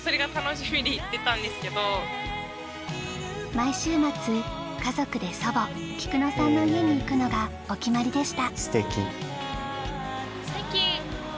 毎週末家族で祖母キクノさんの家に行くのがお決まりでした。